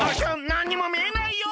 なんにもみえないよ！